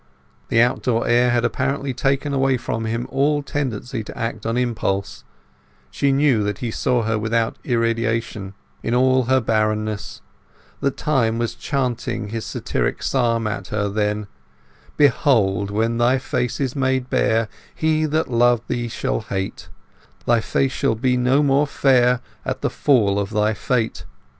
The outdoor air had apparently taken away from him all tendency to act on impulse; she knew that he saw her without irradiation—in all her bareness; that Time was chanting his satiric psalm at her then— Behold, when thy face is made bare, he that loved thee shall hate; Thy face shall be no more fair at the fall of thy fate.